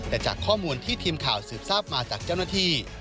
แต่จากข้อมูลที่ทีมข่าวสืบทราบมาจากเจ้าหน้าที่